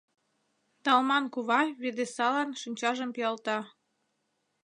— Талман кува Ведесалан шинчажым пӱялта.